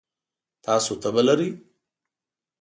تاسو تبه لرئ؟